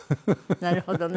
なるほどね。